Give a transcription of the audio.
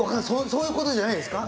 そういうことじゃないですか？